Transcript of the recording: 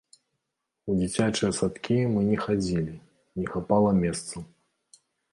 У дзіцячыя садкі мы не хадзілі, не хапала месцаў.